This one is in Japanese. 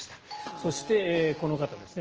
そして、この方ですね。